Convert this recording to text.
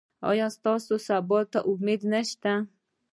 ایا ستاسو سبا ته امید نشته؟